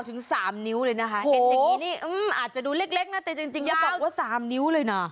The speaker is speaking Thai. แต่ดูเล็กนะแต่จริงอยากบอกว่า๓นิ้วเลยน่ะ